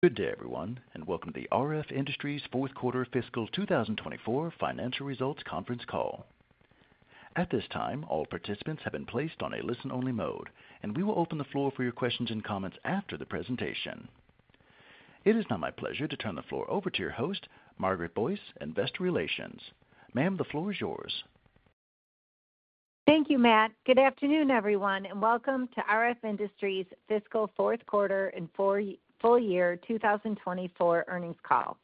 Good day, everyone, and welcome to the RF Industries Q4 Fiscal 2024 Financial Results Conference Call. At this time, all participants have been placed on a listen-only mode, and we will open the floor for your questions and comments after the presentation. It is now my pleasure to turn the floor over to your host, Margaret Boyce, Investor Relations. Ma'am, the floor is yours. Thank you, Matt. Good afternoon, everyone, and welcome to RF Industries Fiscal Q4 and Full Year 2024 Earnings Call.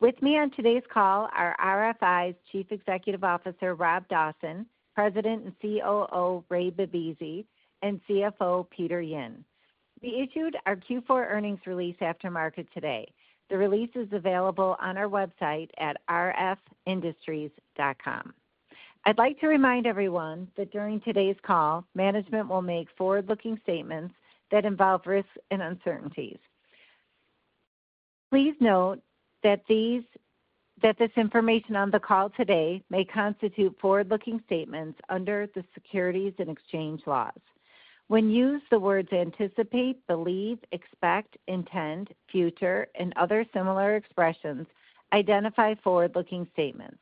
With me on today's call are RFI's Chief Executive Officer, Rob Dawson, President and COO Ray Bibisi, and CFO Peter Yin. We issued our Q4 earnings release after market today. The release is available on our website at rfindustries.com. I'd like to remind everyone that during today's call, management will make forward-looking statements that involve risks and uncertainties. Please note that this information on the call today may constitute forward-looking statements under the Securities and Exchange laws. When used, the words anticipate, believe, expect, intend, future, and other similar expressions identify forward-looking statements.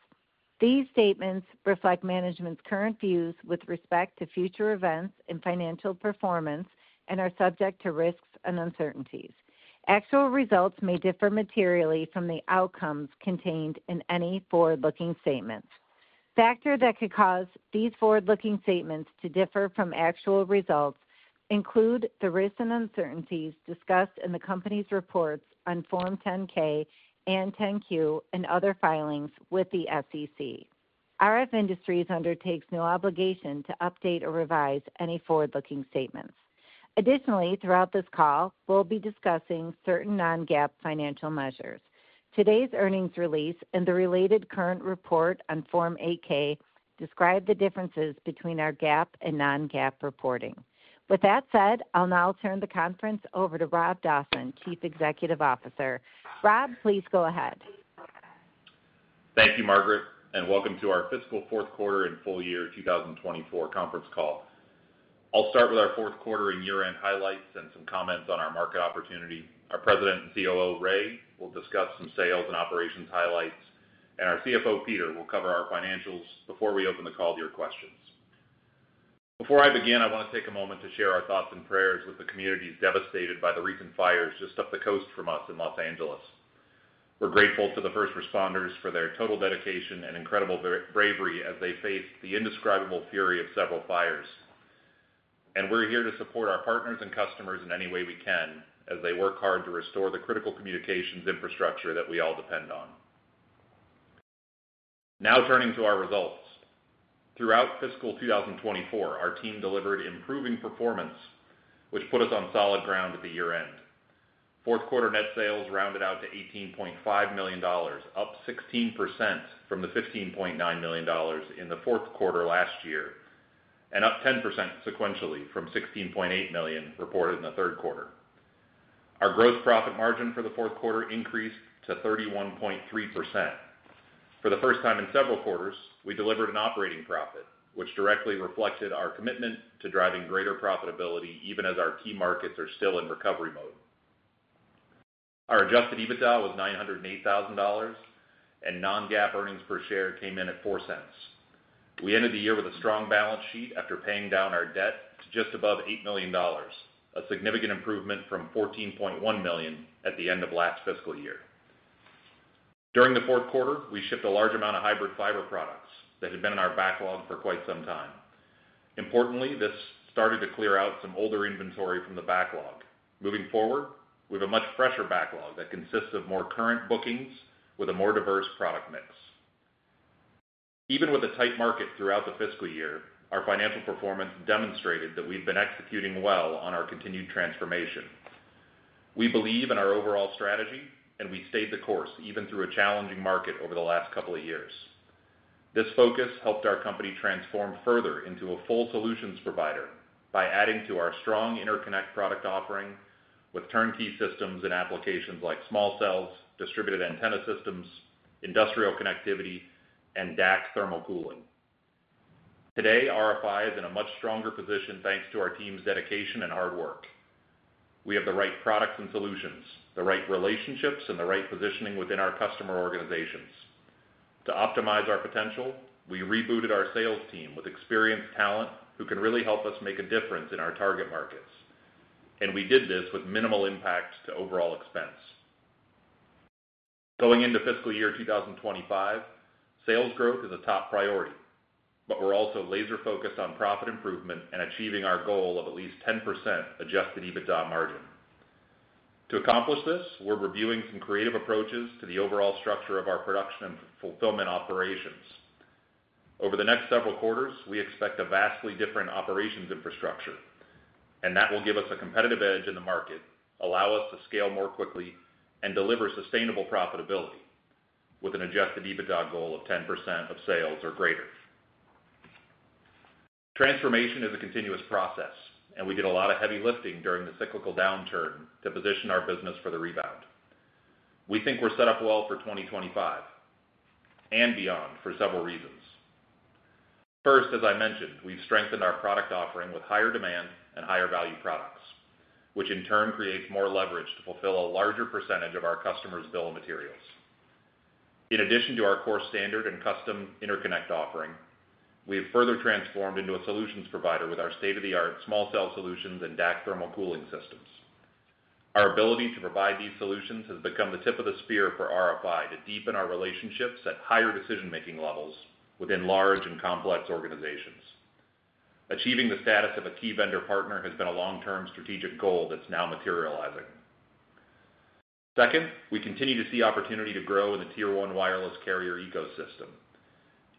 These statements reflect management's current views with respect to future events and financial performance and are subject to risks and uncertainties. Actual results may differ materially from the outcomes contained in any forward-looking statements. Factors that could cause these forward-looking statements to differ from actual results include the risks and uncertainties discussed in the company's reports on Form 10-K and 10-Q and other filings with the SEC. RF Industries undertakes no obligation to update or revise any forward-looking statements. Additionally, throughout this call, we'll be discussing certain non-GAAP financial measures. Today's earnings release and the related current report on Form 8-K describe the differences between our GAAP and non-GAAP reporting. With that said, I'll now turn the conference over to Rob Dawson, Chief Executive Officer. Rob, please go ahead. Thank you, Margaret, and welcome to our Fiscal Q4 and Full Year 2024 Conference Call. I'll start with our Q4 and Year-End Highlights and some comments on our market opportunity. Our President and COO, Ray, will discuss some sales and operations highlights, and our CFO, Peter, will cover our financials before we open the call to your questions. Before I begin, I want to take a moment to share our thoughts and prayers with the communities devastated by the recent fires just up the coast from us in Los Angeles. We're grateful to the first responders for their total dedication and incredible bravery as they faced the indescribable fury of several fires, and we're here to support our partners and customers in any way we can as they work hard to restore the critical communications infrastructure that we all depend on. Now turning to our results. Throughout Fiscal 2024, our team delivered improving performance, which put us on solid ground at the year-end. Q4 net sales rounded out to $18.5 million, up 16% from the $15.9 million in the Q4 last year, and up 10% sequentially from $16.8 million reported in the Q3. Our gross profit margin for the Q4 increased to 31.3%. For the first time in several quarters, we delivered an operating profit, which directly reflected our commitment to driving greater profitability even as our key markets are still in recovery mode. Our Adjusted EBITDA was $908,000, and non-GAAP earnings per share came in at $0.04. We ended the year with a strong balance sheet after paying down our debt to just above $8 million, a significant improvement from $14.1 million at the end of last fiscal year. During the Q4, we shipped a large amount of hybrid fiber products that had been in our backlog for quite some time. Importantly, this started to clear out some older inventory from the backlog. Moving forward, we have a much fresher backlog that consists of more current bookings with a more diverse product mix. Even with a tight market throughout the fiscal year, our financial performance demonstrated that we've been executing well on our continued transformation. We believe in our overall strategy, and we stayed the course even through a challenging market over the last couple of years. This focus helped our company transform further into a full solutions provider by adding to our strong interconnect product offering with turnkey systems and applications like small cells, distributed antenna systems, industrial connectivity, and DAC thermal cooling. Today, RFI is in a much stronger position thanks to our team's dedication and hard work. We have the right products and solutions, the right relationships, and the right positioning within our customer organizations. To optimize our potential, we rebooted our sales team with experienced talent who can really help us make a difference in our target markets, and we did this with minimal impact to overall expense. Going into fiscal year 2025, sales growth is a top priority, but we're also laser-focused on profit improvement and achieving our goal of at least 10% Adjusted EBITDA margin. To accomplish this, we're reviewing some creative approaches to the overall structure of our production and fulfillment operations. Over the next several quarters, we expect a vastly different operations infrastructure, and that will give us a competitive edge in the market, allow us to scale more quickly, and deliver sustainable profitability with an Adjusted EBITDA goal of 10% of sales or greater. Transformation is a continuous process, and we did a lot of heavy lifting during the cyclical downturn to position our business for the rebound. We think we're set up well for 2025 and beyond for several reasons. First, as I mentioned, we've strengthened our product offering with higher demand and higher value products, which in turn creates more leverage to fulfill a larger percentage of our customers' bill of materials. In addition to our core standard and custom interconnect offering, we have further transformed into a solutions provider with our state-of-the-art small cell solutions and DAC thermal cooling systems. Our ability to provide these solutions has become the tip of the spear for RFI to deepen our relationships at higher decision-making levels within large and complex organizations. Achieving the status of a key vendor partner has been a long-term strategic goal that's now materializing. Second, we continue to see opportunity to grow in the Tier 1 wireless carrier ecosystem.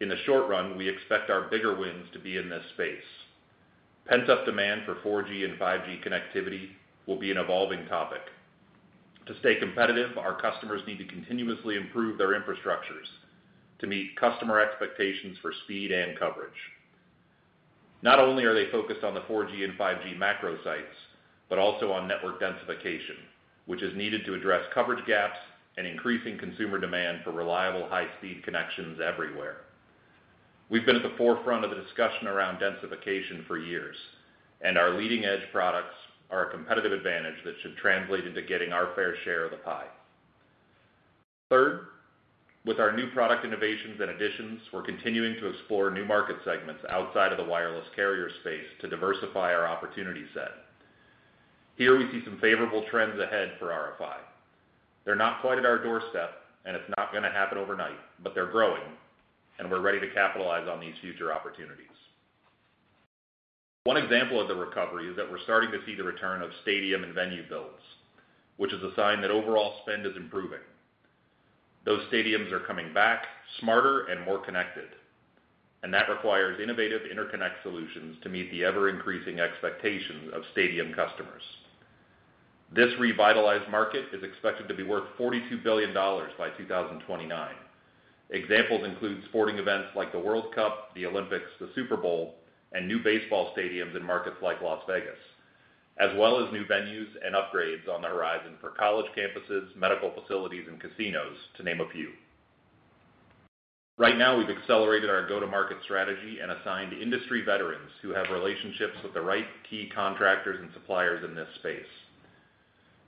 In the short run, we expect our bigger wins to be in this space. Pent-up demand for 4G and 5G connectivity will be an evolving topic. To stay competitive, our customers need to continuously improve their infrastructures to meet customer expectations for speed and coverage. Not only are they focused on the 4G and 5G macro sites, but also on network densification, which is needed to address coverage gaps and increasing consumer demand for reliable high-speed connections everywhere. We've been at the forefront of the discussion around densification for years, and our leading-edge products are a competitive advantage that should translate into getting our fair share of the pie. Third, with our new product innovations and additions, we're continuing to explore new market segments outside of the wireless carrier space to diversify our opportunity set. Here we see some favorable trends ahead for RFI. They're not quite at our doorstep, and it's not going to happen overnight, but they're growing, and we're ready to capitalize on these future opportunities. One example of the recovery is that we're starting to see the return of stadium and venue builds, which is a sign that overall spend is improving. Those stadiums are coming back smarter and more connected, and that requires innovative interconnect solutions to meet the ever-increasing expectations of stadium customers. This revitalized market is expected to be worth $42 billion by 2029. Examples include sporting events like the World Cup, the Olympics, the Super Bowl, and new baseball stadiums in markets like Las Vegas, as well as new venues and upgrades on the horizon for college campuses, medical facilities, and casinos, to name a few. Right now, we've accelerated our go-to-market strategy and assigned industry veterans who have relationships with the right key contractors and suppliers in this space.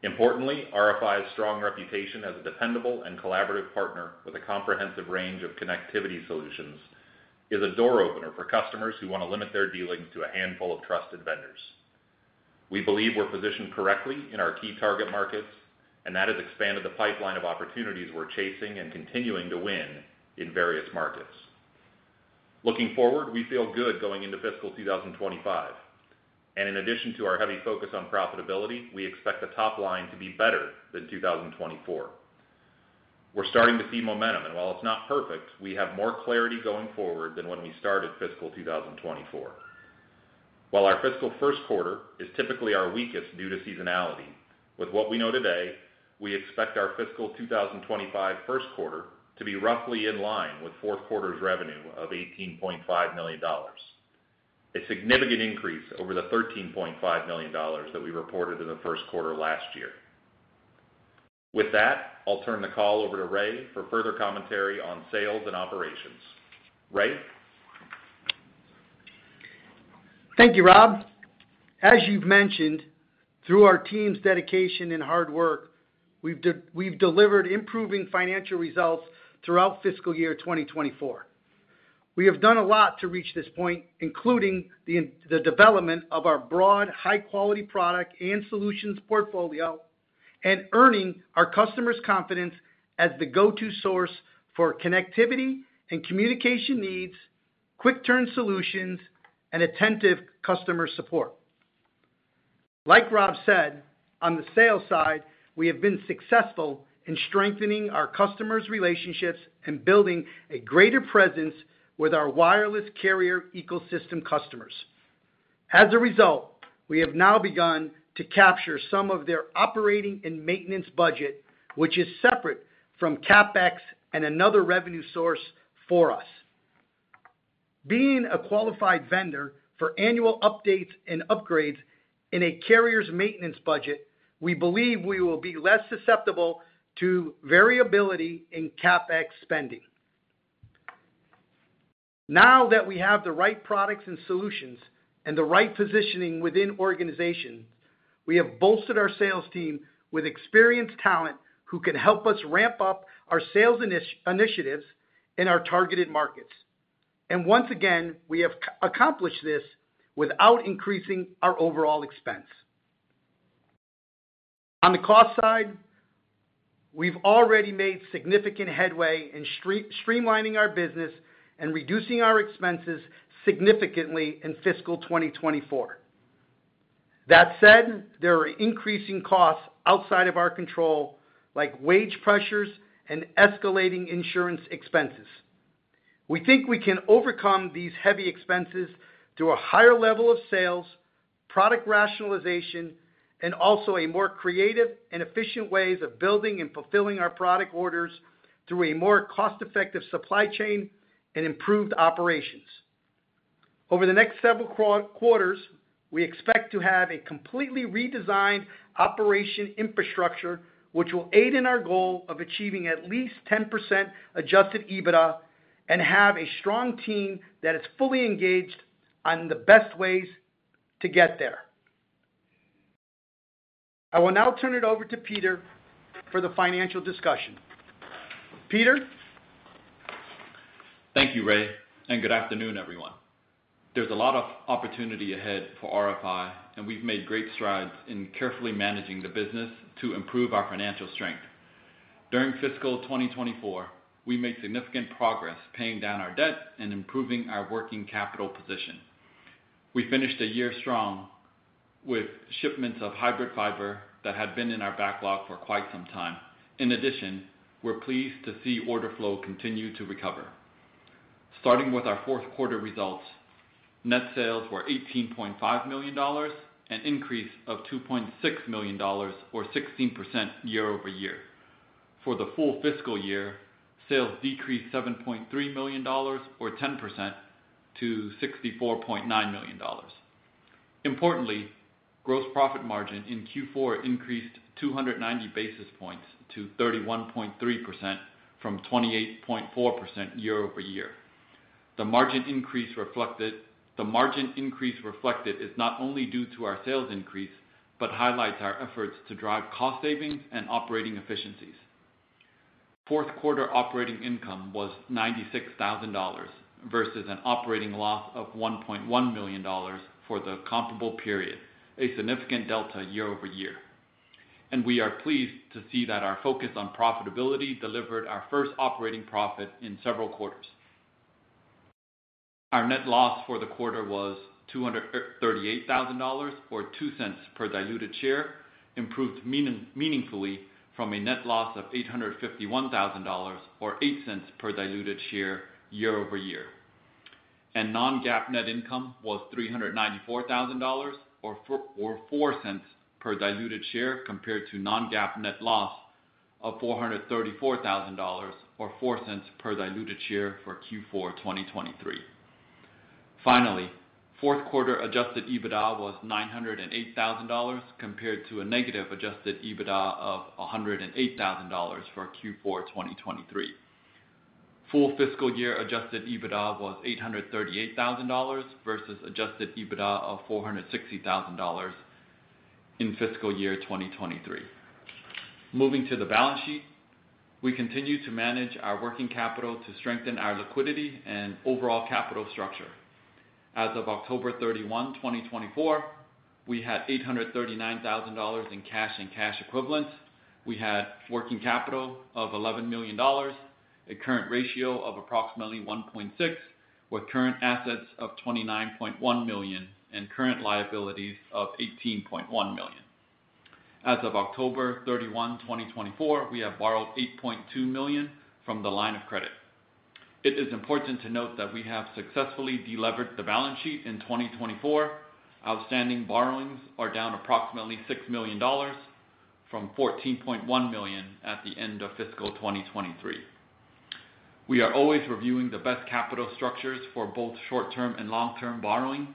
Importantly, RFI's strong reputation as a dependable and collaborative partner with a comprehensive range of connectivity solutions is a door opener for customers who want to limit their dealings to a handful of trusted vendors. We believe we're positioned correctly in our key target markets, and that has expanded the pipeline of opportunities we're chasing and continuing to win in various markets. Looking forward, we feel good going into fiscal 2025, and in addition to our heavy focus on profitability, we expect the top line to be better than 2024. We're starting to see momentum, and while it's not perfect, we have more clarity going forward than when we started Fiscal 2024. While our fiscal Q1 is typically our weakest due to seasonality, with what we know today, we expect our fiscal 2025 Q1 to be roughly in line with Q4 revenue of $18.5 million, a significant increase over the $13.5 million that we reported in the Q1 last year. With that, I'll turn the call over to Ray for further commentary on sales and operations. Ray? Thank you, Rob. As you've mentioned, through our team's dedication and hard work, we've delivered improving financial results throughout Fiscal Year 2024. We have done a lot to reach this point, including the development of our broad, high-quality product and solutions portfolio and earning our customers' confidence as the go-to source for connectivity and communication needs, quick-turn solutions, and attentive customer support. Like Rob said, on the sales side, we have been successful in strengthening our customers' relationships and building a greater presence with our wireless carrier ecosystem customers. As a result, we have now begun to capture some of their operating and maintenance budget, which is separate from CapEx and another revenue source for us. Being a qualified vendor for annual updates and upgrades in a carrier's maintenance budget, we believe we will be less susceptible to variability in CapEx spending. Now that we have the right products and solutions and the right positioning within organizations, we have bolstered our sales team with experienced talent who can help us ramp up our sales initiatives in our targeted markets. And once again, we have accomplished this without increasing our overall expense. On the cost side, we've already made significant headway in streamlining our business and reducing our expenses significantly in Fiscal 2024. That said, there are increasing costs outside of our control, like wage pressures and escalating insurance expenses. We think we can overcome these heavy expenses through a higher level of sales, product rationalization, and also a more creative and efficient way of building and fulfilling our product orders through a more cost-effective supply chain and improved operations. Over the next several quarters, we expect to have a completely redesigned operational infrastructure, which will aid in our goal of achieving at least 10% Adjusted EBITDA and have a strong team that is fully engaged on the best ways to get there. I will now turn it over to Peter for the financial discussion. Peter. Thank you, Ray, and good afternoon, everyone. There's a lot of opportunity ahead for RFI, and we've made great strides in carefully managing the business to improve our financial strength. During Fiscal 2024, we made significant progress paying down our debt and improving our working capital position. We finished the year strong with shipments of hybrid fiber that had been in our backlog for quite some time. In addition, we're pleased to see order flow continue to recover. Starting with our Q4 results, net sales were $18.5 million and an increase of $2.6 million or 16% year-over-year. For the full fiscal year, sales decreased $7.3 million or 10% to $64.9 million. Importantly, gross profit margin in Q4 increased 290 basis points to 31.3% from 28.4% year-over-year. The margin increase reflected is not only due to our sales increase but highlights our efforts to drive cost savings and operating efficiencies. Q4 operating income was $96,000 versus an operating loss of $1.1 million for the comparable period, a significant delta year-over-year. And we are pleased to see that our focus on profitability delivered our first operating profit in several quarters. Our net loss for the quarter was $238,000 or $0.02 per diluted share, improved meaningfully from a net loss of $851,000 or $0.08 per diluted share year-over-year. And non-GAAP net income was $394,000 or $0.04 per diluted share compared to non-GAAP net loss of $434,000 or $0.04 per diluted share for Q4 2023. Finally, Q4 Adjusted EBITDA was $908,000 compared to a negative Adjusted EBITDA of $108,000 for Q4 2023. Full fiscal year Adjusted EBITDA was $838,000 versus Adjusted EBITDA of $460,000 in fiscal year 2023. Moving to the balance sheet, we continue to manage our working capital to strengthen our liquidity and overall capital structure. As of October 31, 2024, we had $839,000 in cash and cash equivalents. We had working capital of $11 million, a current ratio of approximately 1.6, with current assets of $29.1 million and current liabilities of $18.1 million. As of October 31, 2024, we have borrowed $8.2 million from the line of credit. It is important to note that we have successfully delivered the balance sheet in 2024. Outstanding borrowings are down approximately $6 million from $14.1 million at the end of fiscal 2023. We are always reviewing the best capital structures for both short-term and long-term borrowing.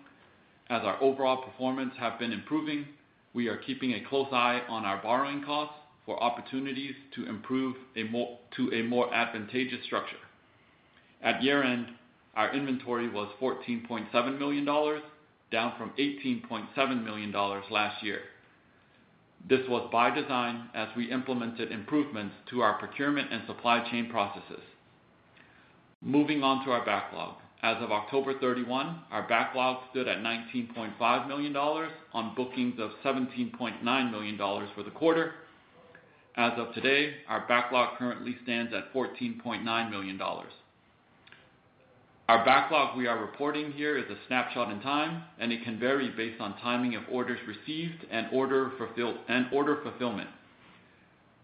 As our overall performance has been improving, we are keeping a close eye on our borrowing costs for opportunities to improve to a more advantageous structure. At year-end, our inventory was $14.7 million, down from $18.7 million last year. This was by design as we implemented improvements to our procurement and supply chain processes. Moving on to our backlog, as of October 31, our backlog stood at $19.5 million on bookings of $17.9 million for the quarter. As of today, our backlog currently stands at $14.9 million. Our backlog we are reporting here is a snapshot in time, and it can vary based on timing of orders received and order fulfillment.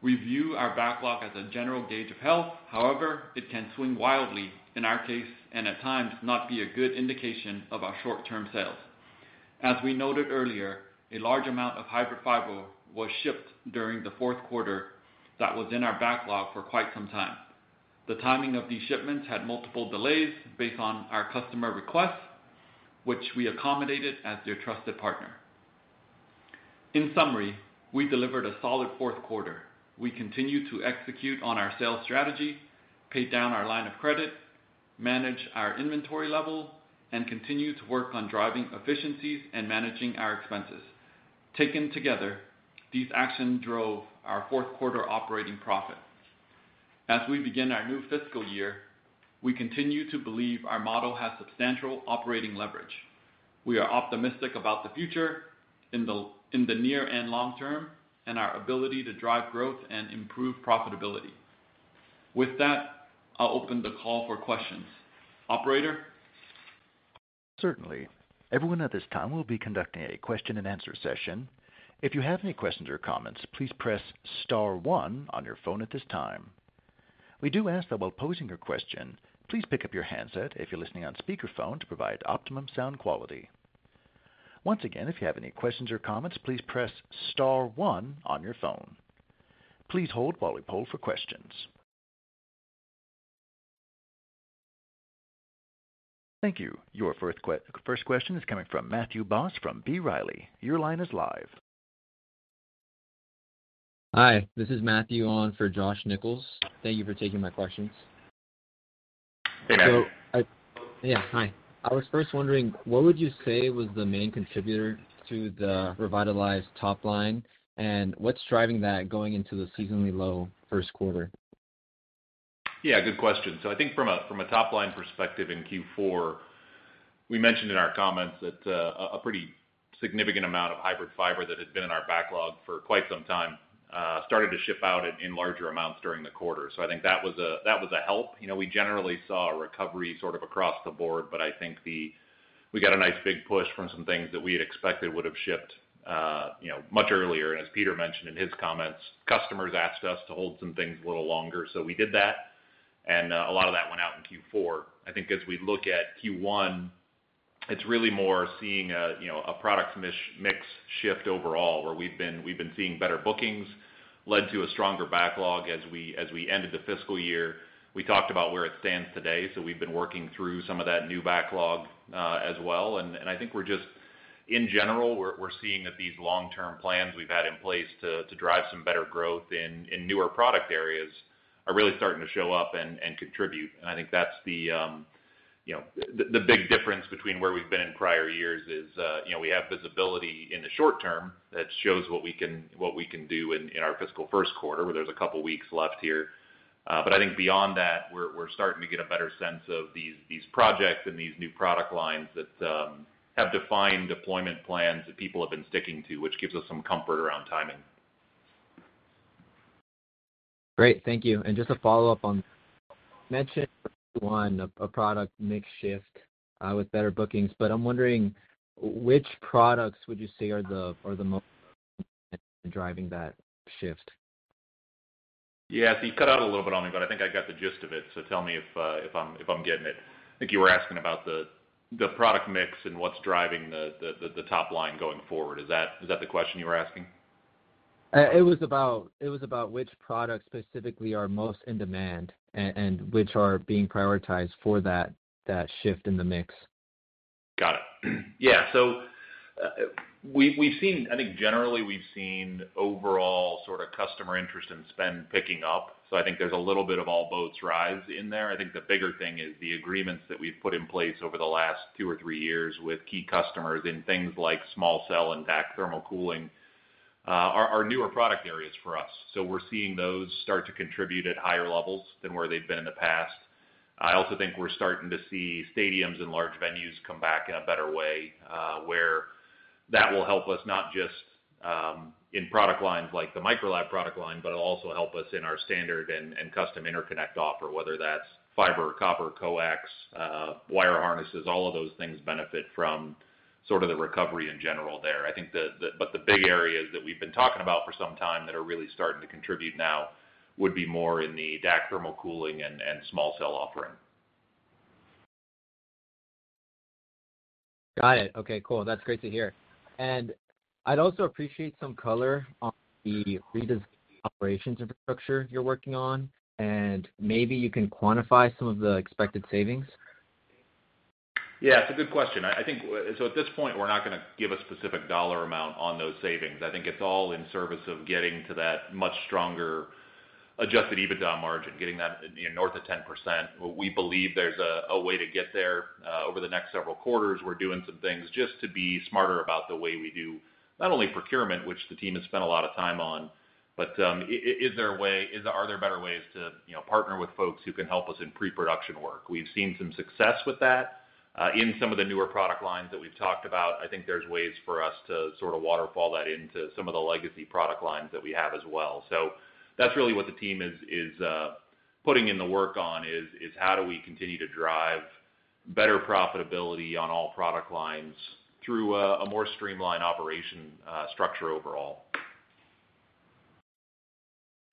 We view our backlog as a general gauge of health. However, it can swing wildly in our case and at times not be a good indication of our short-term sales. As we noted earlier, a large amount of hybrid fiber was shipped during the Q4 that was in our backlog for quite some time. The timing of these shipments had multiple delays based on our customer requests, which we accommodated as their trusted partner. In summary, we delivered a solid Q4. We continue to execute on our sales strategy, pay down our line of credit, manage our inventory level, and continue to work on driving efficiencies and managing our expenses. Taken together, these actions drove our Q4 operating profit. As we begin our new fiscal year, we continue to believe our model has substantial operating leverage. We are optimistic about the future in the near and long term and our ability to drive growth and improve profitability. With that, I'll open the call for questions. Operator. Certainly. Everyone at this time will be conducting a question-and-answer session. If you have any questions or comments, please press star one on your phone at this time. We do ask that while posing your question, please pick up your handset if you're listening on speakerphone to provide optimum sound quality. Once again, if you have any questions or comments, please press star one on your phone. Please hold while we poll for questions. Thank you. Your first question is coming from Matthew Boss from B. Riley. Your line is live. Hi, this is Matthew on for Josh Nichols. Thank you for taking my questions. Hey, Matthew. Yeah, hi. I was first wondering, what would you say was the main contributor to the revitalized top line and what's driving that going into the seasonally low Q1? Yeah, good question. So I think from a top-line perspective in Q4, we mentioned in our comments that a pretty significant amount of hybrid fiber that had been in our backlog for quite some time started to ship out in larger amounts during the quarter. So I think that was a help. We generally saw a recovery sort of across the board, but I think we got a nice big push from some things that we had expected would have shipped much earlier. And as Peter mentioned in his comments, customers asked us to hold some things a little longer, so we did that, and a lot of that went out in Q4. I think as we look at Q1, it's really more seeing a product mix shift overall where we've been seeing better bookings led to a stronger backlog as we ended the fiscal year. We talked about where it stands today, so we've been working through some of that new backlog as well. And I think we're just, in general, we're seeing that these long-term plans we've had in place to drive some better growth in newer product areas are really starting to show up and contribute. And I think that's the big difference between where we've been in prior years is we have visibility in the short term that shows what we can do in our fiscal Q1 where there's a couple of weeks left here. But I think beyond that, we're starting to get a better sense of these projects and these new product lines that have defined deployment plans that people have been sticking to, which gives us some comfort around timing. Great. Thank you, and just to follow up on you mentioned Q1 a product mix shift with better bookings, but I'm wondering which products would you say are the most driving that shift? Yeah, so you cut out a little bit on me, but I think I got the gist of it, so tell me if I'm getting it. I think you were asking about the product mix and what's driving the top line going forward. Is that the question you were asking? It was about which products specifically are most in demand and which are being prioritized for that shift in the mix. Got it. Yeah. So I think generally we've seen overall sort of customer interest and spend picking up. So I think there's a little bit of all boats rise in there. I think the bigger thing is the agreements that we've put in place over the last two or three years with key customers in things like small cell and DAC thermal cooling are newer product areas for us. So we're seeing those start to contribute at higher levels than where they've been in the past. I also think we're starting to see stadiums and large venues come back in a better way where that will help us not just in product lines like the Microlab product line, but it'll also help us in our standard and custom interconnect offer, whether that's fiber, copper, coax, wire harnesses, all of those things benefit from sort of the recovery in general there. I think the big areas that we've been talking about for some time that are really starting to contribute now would be more in the DAC thermal cooling and small cell offering. Got it. Okay, cool. That's great to hear. And I'd also appreciate some color on the redesign operations infrastructure you're working on, and maybe you can quantify some of the expected savings. Yeah, it's a good question. So at this point, we're not going to give a specific dollar amount on those savings. I think it's all in service of getting to that much stronger Adjusted EBITDA margin, getting that north of 10%. We believe there's a way to get there over the next several quarters. We're doing some things just to be smarter about the way we do not only procurement, which the team has spent a lot of time on, but is there a way? Are there better ways to partner with folks who can help us in pre-production work? We've seen some success with that. In some of the newer product lines that we've talked about, I think there's ways for us to sort of waterfall that into some of the legacy product lines that we have as well. So that's really what the team is putting in the work on is how do we continue to drive better profitability on all product lines through a more streamlined operation structure overall.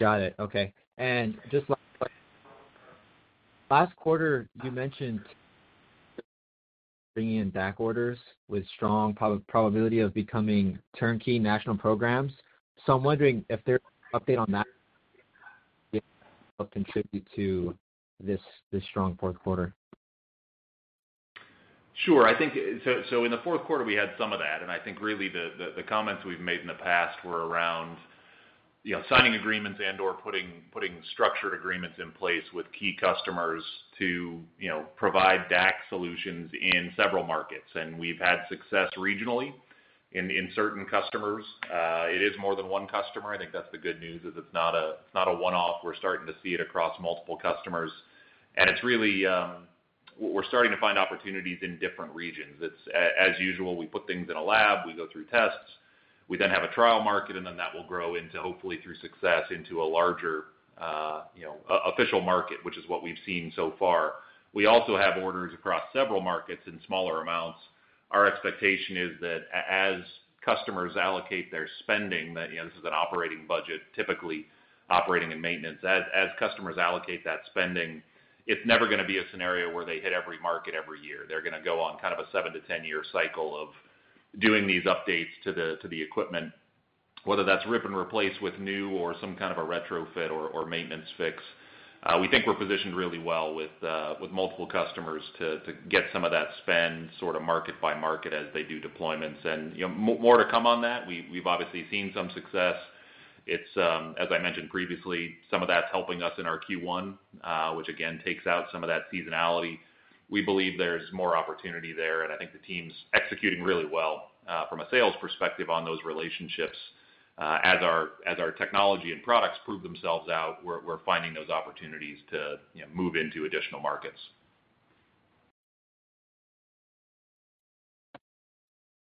Got it. Okay. And just last quarter, you mentioned bringing in back orders with strong probability of becoming turnkey national programs. So I'm wondering if there's an update on that will contribute to this strong Q4? Sure. So in the Q4, we had some of that. And I think really the comments we've made in the past were around signing agreements and/or putting structured agreements in place with key customers to provide DAC solutions in several markets. And we've had success regionally in certain customers. It is more than one customer. I think that's the good news is it's not a one-off. We're starting to see it across multiple customers. And we're starting to find opportunities in different regions. As usual, we put things in a lab, we go through tests, we then have a trial market, and then that will grow into, hopefully through success, into a larger official market, which is what we've seen so far. We also have orders across several markets in smaller amounts. Our expectation is that as customers allocate their spending, this is an operating budget, typically operating and maintenance, as customers allocate that spending, it's never going to be a scenario where they hit every market every year. They're going to go on kind of a 7 to 10-year cycle of doing these updates to the equipment, whether that's rip and replace with new or some kind of a retrofit or maintenance fix. We think we're positioned really well with multiple customers to get some of that spend sort of market by market as they do deployments. And more to come on that. We've obviously seen some success. As I mentioned previously, some of that's helping us in our Q1, which again takes out some of that seasonality. We believe there's more opportunity there, and I think the team's executing really well from a sales perspective on those relationships. As our technology and products prove themselves out, we're finding those opportunities to move into additional markets.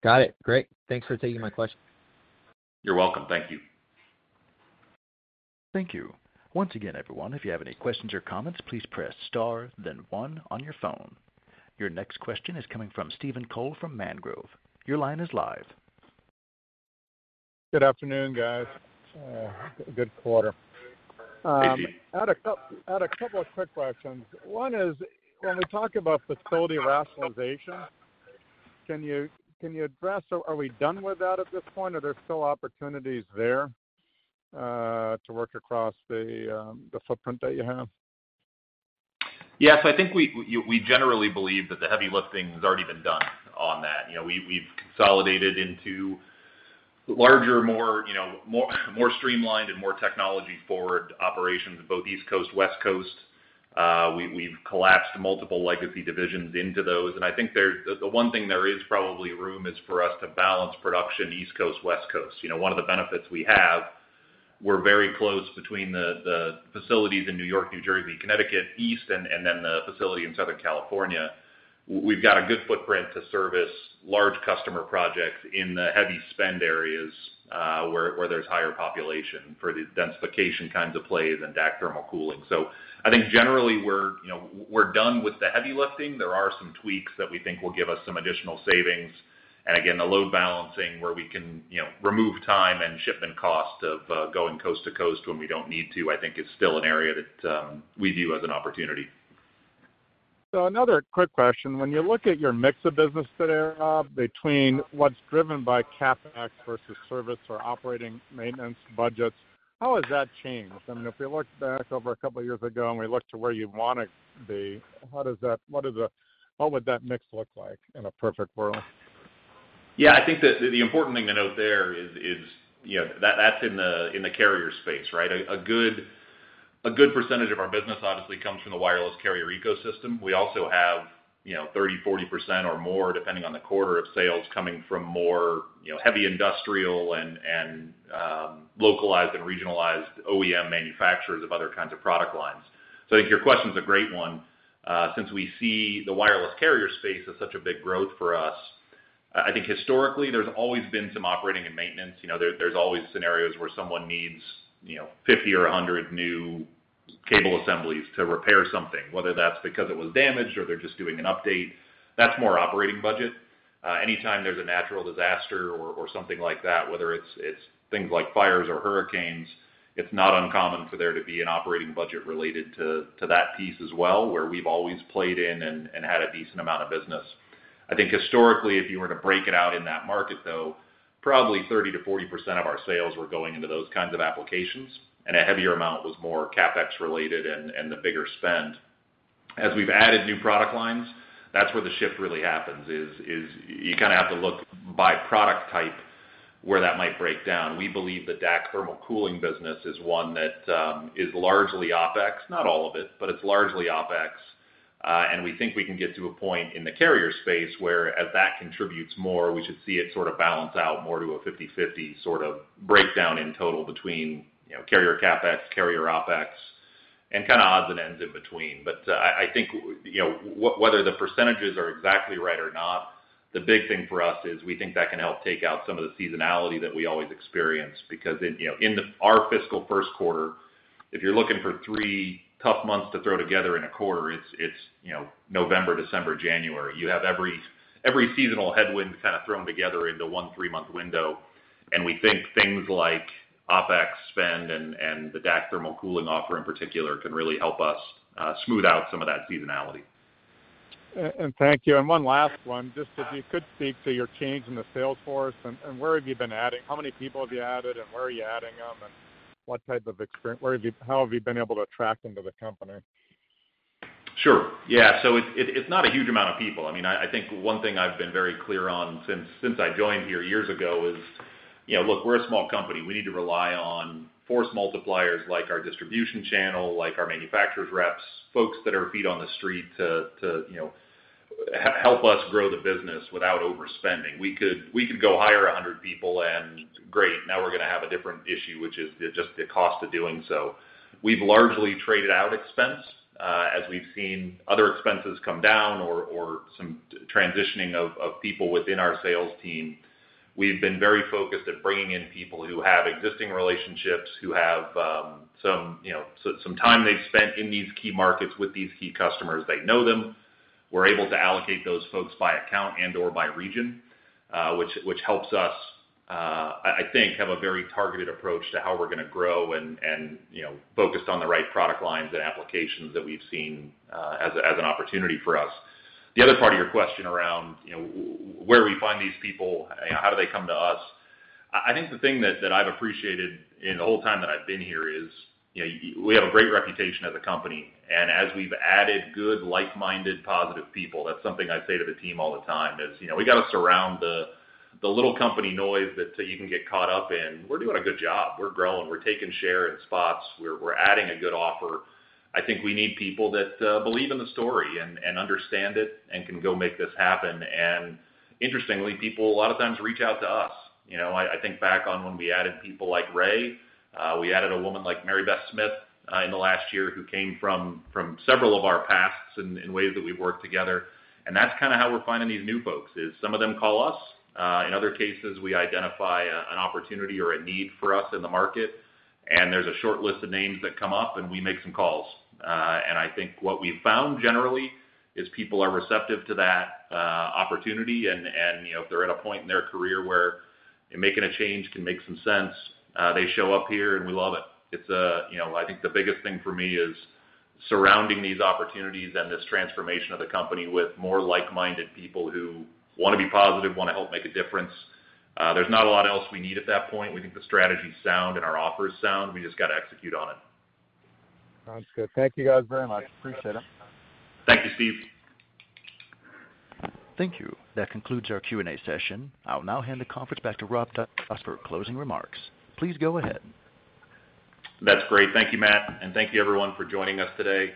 Got it. Great. Thanks for taking my question. You're welcome. Thank you. Thank you. Once again, everyone, if you have any questions or comments, please press star, then one on your phone. Your next question is coming from Stephen Cole from Mangrove. Your line is live. Good afternoon, guys. Good quarter. Thank you. I had a couple of quick questions. One is, when we talk about facility rationalization, can you address, are we done with that at this point? Are there still opportunities there to work across the footprint that you have? Yeah. So I think we generally believe that the heavy lifting has already been done on that. We've consolidated into larger, more streamlined and more technology-forward operations in both East Coast and West Coast. We've collapsed multiple legacy divisions into those. And I think the one thing there is probably room is for us to balance production East Coast, West Coast. One of the benefits we have, we're very close between the facilities in New York, New Jersey, Connecticut East, and then the facility in Southern California. We've got a good footprint to service large customer projects in the heavy spend areas where there's higher population for the densification kinds of plays and DAC thermal cooling. So I think generally we're done with the heavy lifting. There are some tweaks that we think will give us some additional savings. And again, the load balancing where we can remove time and shipment cost of going coast to coast when we don't need to, I think, is still an area that we view as an opportunity. So another quick question. When you look at your mix of business today between what's driven by CapEx versus service or operating maintenance budgets, how has that changed? I mean, if we look back over a couple of years ago and we looked at where you want to be, what would that mix look like in a perfect world? Yeah. I think the important thing to note there is that's in the carrier space, right? A good percentage of our business obviously comes from the wireless carrier ecosystem. We also have 30%-40% or more depending on the quarter of sales coming from more heavy industrial and localized and regionalized OEM manufacturers of other kinds of product lines. So I think your question is a great one. Since we see the wireless carrier space as such a big growth for us, I think historically there's always been some operating and maintenance. There's always scenarios where someone needs 50 or 100 new cable assemblies to repair something, whether that's because it was damaged or they're just doing an update. That's more operating budget. Anytime there's a natural disaster or something like that, whether it's things like fires or hurricanes, it's not uncommon for there to be an operating budget related to that piece as well, where we've always played in and had a decent amount of business. I think historically, if you were to break it out in that market, though, probably 30%-40% of our sales were going into those kinds of applications, and a heavier amount was more CapEx related and the bigger spend. As we've added new product lines, that's where the shift really happens is you kind of have to look by product type where that might break down. We believe the DAC thermal cooling business is one that is largely OpEx, not all of it, but it's largely OpEx. And we think we can get to a point in the carrier space where, as that contributes more, we should see it sort of balance out more to a 50/50 sort of breakdown in total between carrier CapEx, carrier OpEx, and kind of odds and ends in between. But I think whether the percentages are exactly right or not, the big thing for us is we think that can help take out some of the seasonality that we always experience because in our fiscal Q1, if you're looking for three tough months to throw together in a quarter, it's November, December, January. You have every seasonal headwind kind of thrown together into one three-month window. And we think things like OpEx spend and the DAC thermal cooling offer in particular can really help us smooth out some of that seasonality. And thank you. One last one, just if you could speak to your change in the sales force and where have you been adding, how many people have you added, and where are you adding them, and what type of experience, how have you been able to attract them to the company? Sure. Yeah. So it's not a huge amount of people. I mean, I think one thing I've been very clear on since I joined here years ago is, look, we're a small company. We need to rely on force multipliers like our distribution channel, like our manufacturers' reps, folks that are feet on the street to help us grow the business without overspending. We could go hire 100 people and great. Now we're going to have a different issue, which is just the cost of doing so. We've largely traded out expense as we've seen other expenses come down or some transitioning of people within our sales team. We've been very focused at bringing in people who have existing relationships, who have some time they've spent in these key markets with these key customers. They know them. We're able to allocate those folks by account and/or by region, which helps us, I think, have a very targeted approach to how we're going to grow and focus on the right product lines and applications that we've seen as an opportunity for us. The other part of your question around where we find these people, how do they come to us? I think the thing that I've appreciated in the whole time that I've been here is we have a great reputation as a company. And as we've added good, like-minded, positive people, that's something I say to the team all the time is we got to surround the little company noise that you can get caught up in. We're doing a good job. We're growing. We're taking share in spots. We're adding a good offer. I think we need people that believe in the story and understand it and can go make this happen. Interestingly, people a lot of times reach out to us. I think back on when we added people like Ray, we added a woman like Mary Beth Smith in the last year who came from several of our pasts in ways that we've worked together. That's kind of how we're finding these new folks is some of them call us. In other cases, we identify an opportunity or a need for us in the market, and there's a short list of names that come up, and we make some calls. I think what we've found generally is people are receptive to that opportunity. If they're at a point in their career where making a change can make some sense, they show up here and we love it. I think the biggest thing for me is surrounding these opportunities and this transformation of the company with more like-minded people who want to be positive, want to help make a difference. There's not a lot else we need at that point. We think the strategy is sound and our offers sound. We just got to execute on it. Sounds good. Thank you guys very much. Appreciate it. Thank you, Steve. Thank you. That concludes our Q&A session. I'll now hand the conference back to Rob Dawson for closing remarks. Please go ahead. That's great. Thank you, Matt. And thank you, everyone, for joining us today.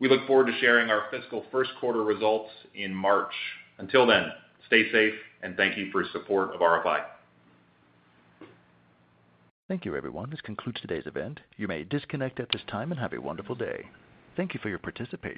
We look forward to sharing our fiscal Q1 results in March. Until then, stay safe, and thank you for your support of RFI. Thank you, everyone. This concludes today's event. You may disconnect at this time and have a wonderful day. Thank you for your participation.